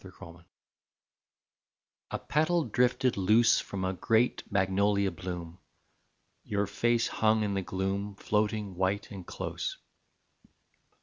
THE ALIEN A petal drifted loose From a great magnolia bloom, Your face hung in the gloom, Floating, white and close.